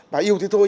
bà yêu thế thôi